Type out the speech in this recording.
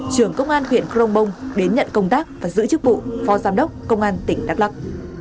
trưởng công an huyện crong bông đến nhận công tác và giữ chức vụ phó giám đốc công an tỉnh đắk lắc